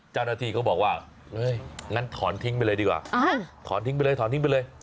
เจ้าหน้าที่เขาบอกว่างั้นถอนทิ้งไปเลยดีกว่าถอนทิ้งไปเลย